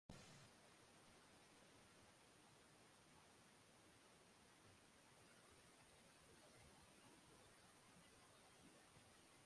ফলে কাল রাত্রেই নীরেন জিনিসপত্র লইয়া এখান হইতে চলিয়া গিয়াছে।